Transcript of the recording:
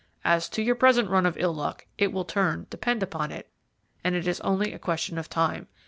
As to your present run of ill luck, it will turn, depend upon it, and is only a question of time.